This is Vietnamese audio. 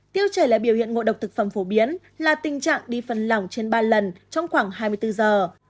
tiêu chảy là biểu hiện ngộ độc thực phẩm phổ biến là tình trạng đi phần lỏng trên ba lần trong khoảng hai mươi bốn giờ